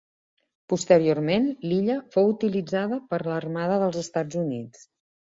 Posteriorment, l'illa fou utilitzada per l'Armada dels Estats Units.